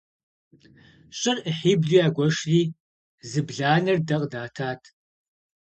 ЩӀыр Ӏыхьиблу ягуэшри, зы бланэр дэ къыдатат.